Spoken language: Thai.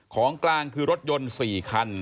ของกลางคือรถยนต์๔คัน